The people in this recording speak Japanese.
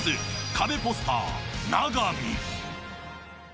カベポスター・永見。